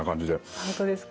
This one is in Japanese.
あっ本当ですか。